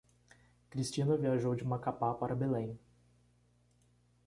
Cristina viajou de Macapá para Belém.